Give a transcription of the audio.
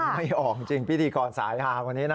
ไม่ออกจริงพิธีกรสายฮาคนนี้นะ